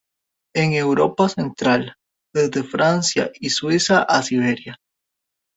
En Europa central, desde Francia y Suiza a Serbia.